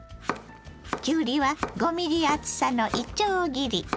きゅうりは５ｍｍ厚さのいちょう切り。